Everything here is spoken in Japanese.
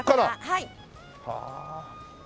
はい。